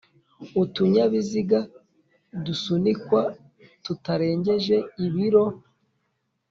utunyabiziga dusunikwa tutarengeje ibiro